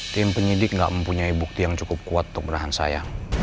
tim penyidik nggak mempunyai bukti yang cukup kuat untuk menahan saya